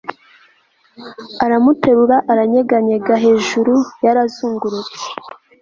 aramuterura, aranyeganyega, hejuru. yarazungurutse